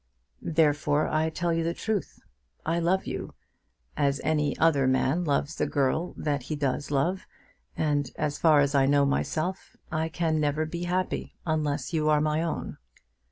"Therefore I tell you the truth. I love you, as any other man loves the girl that he does love; and, as far as I know myself now, I never can be happy unless you are my own."